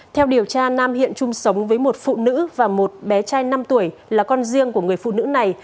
theo điều tra nam hiện chung sống với một phụ nữ và một bé trai năm tuổi là con riêng của người phụ nữ này